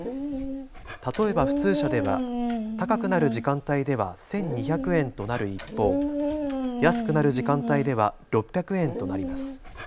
例えば普通車では高くなる時間帯では１２００円となる一方、安くなる時間帯では６００円となります。